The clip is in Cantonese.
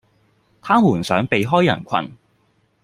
他們想避開人群